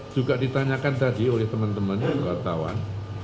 juga ditanyakan tadi oleh teman temannya wartawan